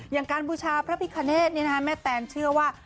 อย่างการบูชาพระพิคเนธแม่แตนเชื่อว่า